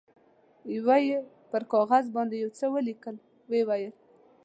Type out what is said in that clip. یوه یې پر کاغذ باندې یو څه ولیکل، ویې ویل.